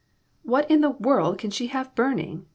97 "What in the world can she have burning?